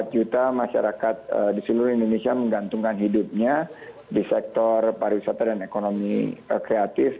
empat juta masyarakat di seluruh indonesia menggantungkan hidupnya di sektor pariwisata dan ekonomi kreatif